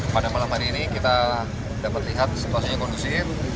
pada malam hari ini kita dapat lihat situasinya kondusif